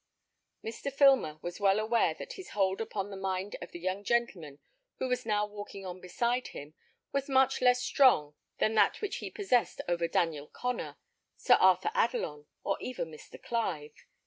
Mr. Filmer was well aware that his hold upon the mind of the young gentleman who was now walking on beside him was much less strong than that which he possessed over Daniel Connor, Sir Arthur Adelon, or even Mr. Clive.